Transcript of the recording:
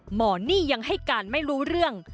หนี้ยังให้การไม่รู้เรื่อง